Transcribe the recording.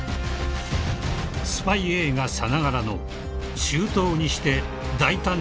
［スパイ映画さながらの周到にして大胆な計画］